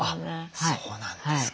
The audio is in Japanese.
そうなんですか。